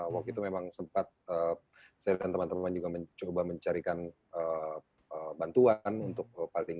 waktu itu memang sempat saya dan teman teman juga mencoba mencarikan bantuan untuk paling tidak untuk sembako hari harian ya